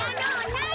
なに？